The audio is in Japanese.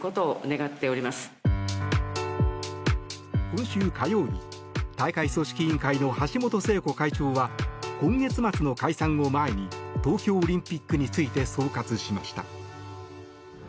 今週火曜日、大会組織委員会の橋本聖子会長は今月末の解散を前に東京オリンピックについて総括しました。